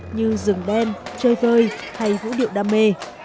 như rừng đen chơi vơi hay vũ điệu đam mê